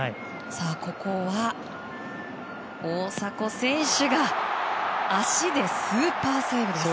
ここは大迫選手が足でスーパーセーブです！